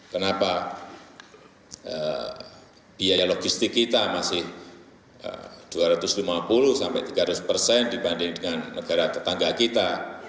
kenapa biaya logistik kita masih dua ratus lima puluh sampai tiga ratus persen dibanding dengan negara tetangga kita